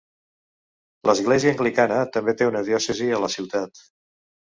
L'església anglicana també té una diòcesi a la ciutat.